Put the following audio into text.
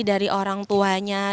dari orang tuanya